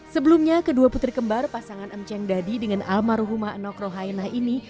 sebelumnya kedua putri kembar pasangan m cheng dadi dengan almarhumah enok rohainah ini